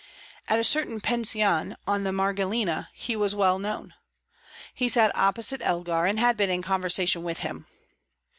At a certain pension on the Mergellina he was well known. He sat opposite Elgar, and had been in conversation with him.